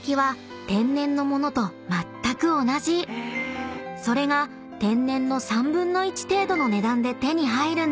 ［それが天然の３分の１程度の値段で手に入るんです］